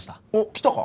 来たか。